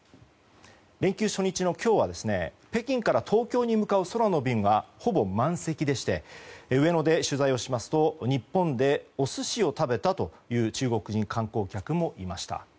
連休初日の今日は北京から東京に向かう空の便はほぼ満席でして上野で取材しますと日本で、お寿司を食べたという中国人観光客もいました。